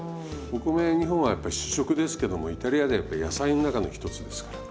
お米日本はやっぱ主食ですけどもイタリアではやっぱり野菜の中の一つですから。